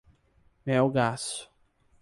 Melgaço